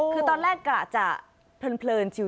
คือตอนแรกกะจะเพลินชิว